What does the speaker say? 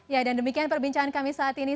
ya dan demikian perbincangan kami saat ini